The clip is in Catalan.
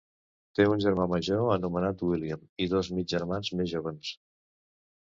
Té un germà major anomenat William i dos mig germans més jóvens.